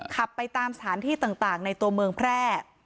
ขับไปตามสถานที่ต่างในตัวเมืองแพร่